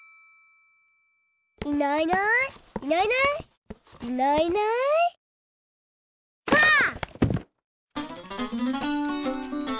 いないいないいないいないいないいないばあっ！